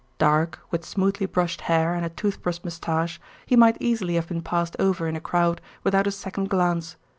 Dark, with smoothly brushed hair and a toothbrush moustache, he might easily have been passed over in a crowd without a second glance.